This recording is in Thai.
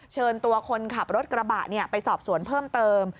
เชิญตัวคนขับรถกระบะไปสอบสวนเพิ่มเติม